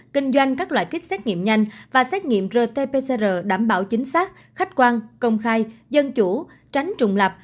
kinh doanh các loại kích xét nghiệm nhanh và xét nghiệm rt pcr đảm bảo chính xác khách quan công khai dân chủ tránh trùng lập